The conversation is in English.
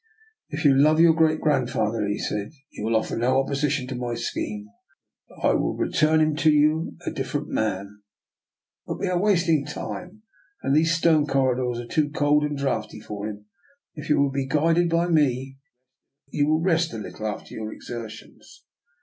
" If you love your great grandfather," he said, " you will offer no opposition to my scheme. Have I not already assured you that I will return him to you a different man? But we are wasting time, and these stone corridors are too cold and draughty for him. If you will be guided by me, you will rest a little after your exertions.